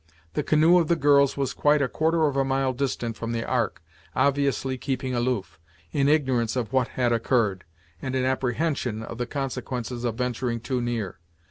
The canoe of the girls was quite a quarter of a mile distant from the Ark, obviously keeping aloof, in ignorance of what had occurred, and in apprehension of the consequences of venturing too near.